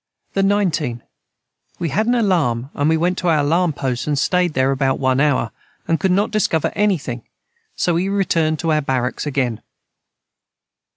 ] the 19. We had an alarm and we went to our alarm Post and stayed their about one hour and could not discover any thing and so we returned to our Baracks again.